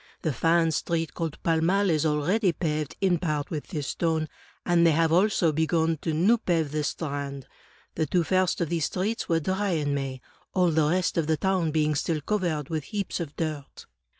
The fine street called Pall Mall is already paved in part with this stone; and they have also begun to new pave the Strand. The two first of these streets were dry in May, all the rest of the town being still covered with heaps of dirt."